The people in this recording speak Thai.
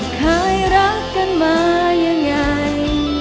เคยรักกันมายังไง